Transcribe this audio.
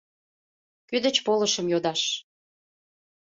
Кӧ деч полышым йодаш